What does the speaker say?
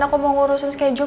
aku mau ngurusin schedule